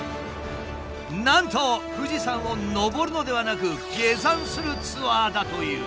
なんと富士山を登るのではなく下山するツアーだという。